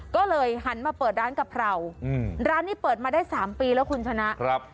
ก็เลยหันมาเปิดร้านกะเพราร้านนี้เปิดมาได้๓ปีแล้วคุณชนะ